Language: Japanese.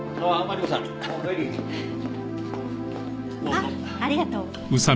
あっありがとう。